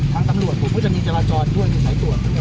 ทางตังค์ก็มีจรจรด้วยสายตรวจ